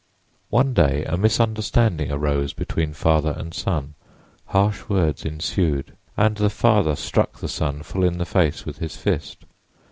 One day a misunderstanding arose between father and son, harsh words ensued, and the father struck the son full in the face with his fist.